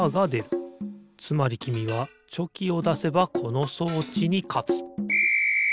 つまりきみはチョキをだせばこの装置にかつピッ！